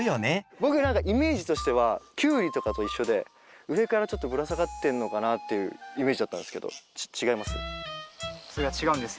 僕何かイメージとしてはキュウリとかと一緒で上からちょっとぶら下がってんのかなっていうイメージだったんですけど違います？